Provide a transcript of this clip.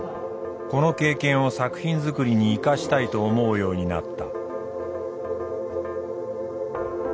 この経験を作品作りに生かしたいと思うようになった。